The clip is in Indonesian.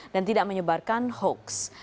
dan tidak menyebarkan hoaks